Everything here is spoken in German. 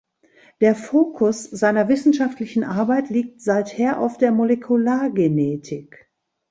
Der Fokus seiner wissenschaftlichen Arbeit liegt seither auf der Molekulargenetik.